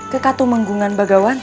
ke katumenggungan bagawanta